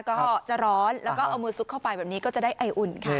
ก็จะร้อนแล้วก็เอามือซุกเข้าไปแบบนี้ก็จะได้ไออุ่นค่ะ